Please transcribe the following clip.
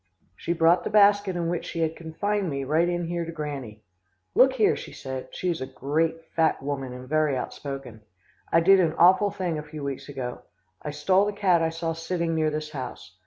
"She brought the basket in which she had confined me right in here to Granny. 'Look here,' she said (she is a great, fat woman and very outspoken), 'I did an awful thing a few weeks ago. I stole the cat I saw sitting near this house.